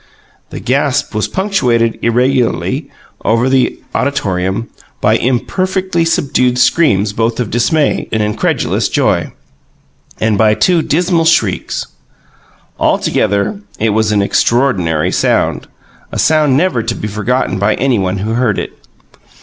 This gasp was punctuated irregularly, over the auditorium, by imperfectly subdued screams both of dismay and incredulous joy, and by two dismal shrieks. Altogether it was an extraordinary sound, a sound never to be forgotten by any one who heard it.